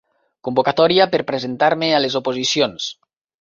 Convocatòria per presentar-me a les oposicions.